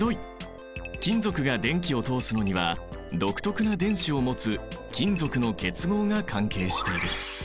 金属が電気を通すのには独特な電子を持つ金属の結合が関係している。